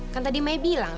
kan tadi mai bilang